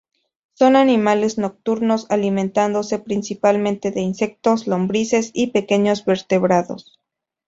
Son animales nocturnos, alimentándose principalmente de insectos, lombrices y pequeños vertebrados.